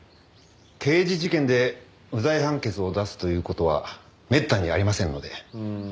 刑事事件で無罪判決を出すという事はめったにありませんので。